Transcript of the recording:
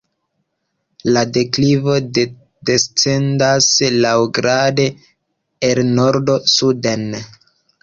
La deklivo descendas laŭgrade el nordo suden.